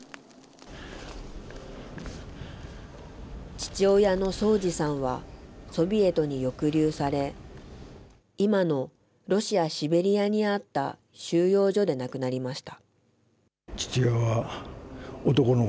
父親の宗次さんは、ソビエトに抑留され、今のロシア・シベリアにあった収容所で亡くなりました。